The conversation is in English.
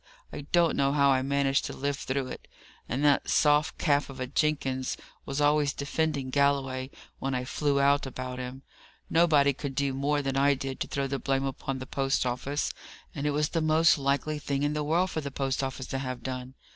I don't know how I managed to live through it; and that soft calf of a Jenkins was always defending Galloway when I flew out about him. Nobody could do more than I did to throw the blame upon the post office and it was the most likely thing in the world for the post office to have done?